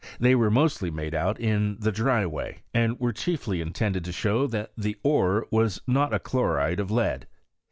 They were mostly made in the dry way, and were chiefly intended to show that the ore was not a chloride of lead.